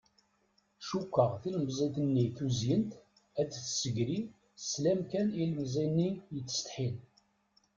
Cukkeɣ tilemẓit-nni tuzyint ad s-tessegri sslam kan i ilemẓi-nni yettsetḥin.